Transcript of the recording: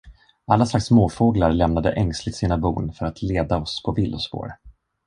Alla slags småfåglar lämnade ängsligt sina bon för att leda oss på villospår.